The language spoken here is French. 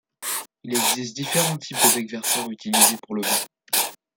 Il existe différents types de becs verseurs utilisés pour le vin.